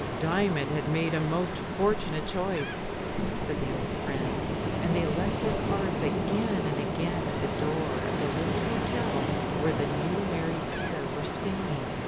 "Dymond had made a most fortunate choice," said the old friends, and they left their cards again and again at the door of the little hotel where the new married pair were staying.